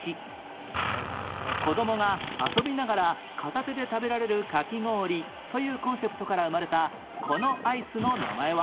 子どもが遊びながら片手で食べられるかき氷というコンセプトから生まれたこのアイスの名前は？